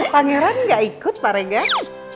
pangeran gak ikut pak regan